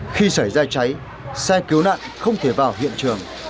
khi xảy ra cháy xe cứu nạn không thể vào hiện trường